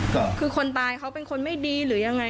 ก็คือคนตายเขาเป็นคนไม่ดีหรือยังไง